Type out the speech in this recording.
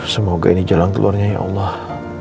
semoga ini jalan keluarnya ya allah